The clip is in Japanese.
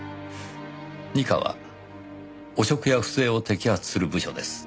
二課は汚職や不正を摘発する部署です。